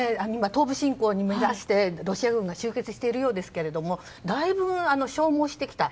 東部侵攻を目指してロシア軍が集結しているようですけれどもだいぶ、消耗してきた。